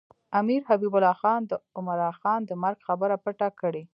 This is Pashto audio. امیر حبیب الله خان د عمرا خان د مرګ خبره پټه کړې.